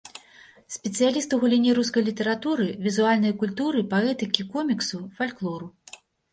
Спецыяліст у галіне рускай літаратуры, візуальнай культуры, паэтыкі коміксу, фальклору.